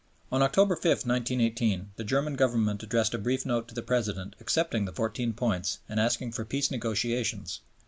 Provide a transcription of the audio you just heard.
On October 5, 1918, the German Government addressed a brief Note to the President accepting the Fourteen Points and asking for Peace negotiations.